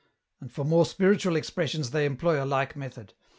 And for more spiritual expressions they employ a like method.